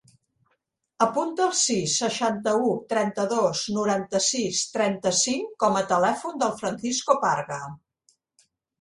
Apunta el sis, seixanta-u, trenta-dos, noranta-sis, trenta-cinc com a telèfon del Francisco Parga.